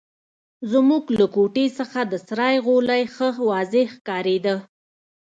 زموږ له کوټې څخه د سرای غولی ښه واضح ښکارېده.